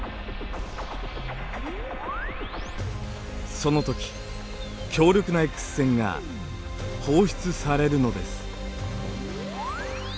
そのとき強力なＸ線が放出されるのです。